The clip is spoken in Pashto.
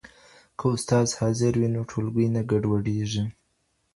که استاد حاضر وي نو ټولګی نه ګډوډیږي.